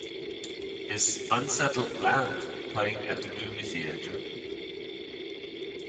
Is Unsettled Land playing at the movie theatre